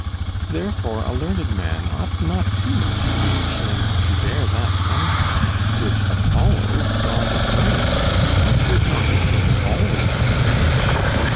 Therefore a learned man ought not too much to be ashamed to bear that sometime, which Apollo, god of learning, himself was not ashamed always to bear.